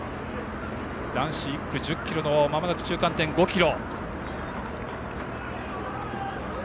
男子１区１０ｋｍの中間点、５ｋｍ。